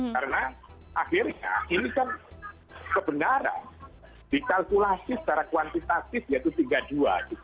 karena akhirnya ini kan kebenaran dikalkulasi secara kuantitatif yaitu tiga puluh dua